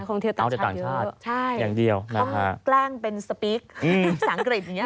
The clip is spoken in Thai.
คงเที่ยวต่างชาติเยอะใช่อ๋อแกล้งเป็นสปีกสังเกร็ดอย่างนี้